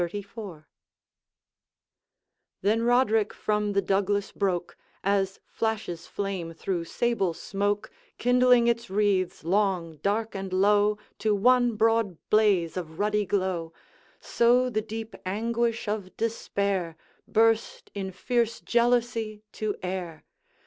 XXXIV. Then Roderick from the Douglas broke As flashes flame through sable smoke, Kindling its wreaths, long, dark, and low, To one broad blaze of ruddy glow, So the deep anguish of despair Burst, in fierce jealousy, to air.